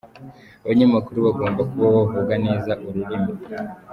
Abanyamakuru bagomba kuba bavuga neza ururimi.